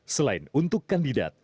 selain untuk kandidat